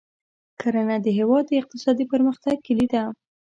کرنه د هېواد د اقتصادي پرمختګ کلي ده.